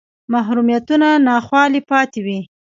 محرومیتونه ناخوالې پاتې وې